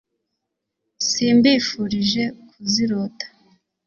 simbifurije kuzirota